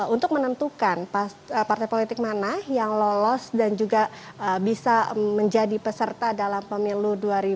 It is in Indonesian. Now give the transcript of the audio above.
untuk menentukan partai politik mana yang lolos dan juga bisa menjadi peserta dalam pemilu dua ribu dua puluh